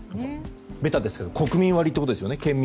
べたですけど国民割ということですね。